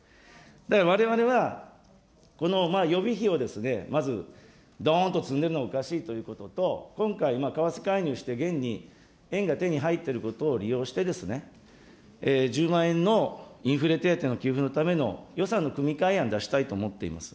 だから、われわれはこの予備費をまずどーんと積んでいるのがおかしいということと、今回為替介入して、現に円が手に入っていることを利用してですね、１０万円のインフレ手当ののための予算の組み替え案を出したいと思っています。